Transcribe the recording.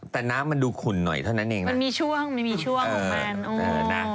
แต่น้ำมันดูขุนหน่อยเท่านั้นเองนะ